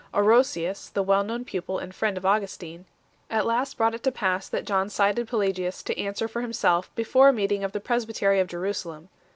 Orosius, the well known pupil and friend of Augustin, at last brought it to pass that John cited Pelagius to answer for himself before a meeting of the presbytery of Jeru salem.